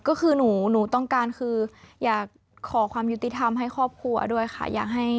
ก็คือหนูหนูต้องการคืออยากขอความยุติธรรมให้ครอบครัวด้วยค่ะ